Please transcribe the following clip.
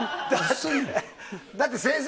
だって先生。